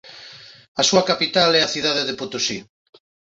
A súa capital é a cidade de Potosí.